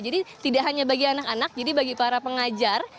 jadi tidak hanya bagi anak anak jadi bagi para pengajar